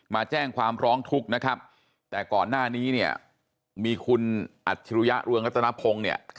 มาแจ้งความร้องทุกข์นะครับแต่ก่อนหน้านี้เนี่ยมีคุณอัจฉริยะเรืองรัตนพงศ์เนี่ย